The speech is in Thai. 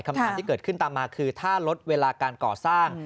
คำถามที่เกิดขึ้นตามมาคือถ้าลดเวลาการก่อสร้าง